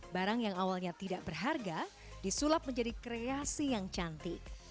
barang yang awalnya tidak berharga disulap menjadi kreasi yang cantik